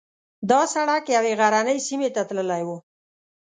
دا سړک یوې غرنۍ سیمې ته تللی و.